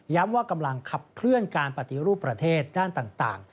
ว่ากำลังขับเคลื่อนการปฏิรูปประเทศด้านต่าง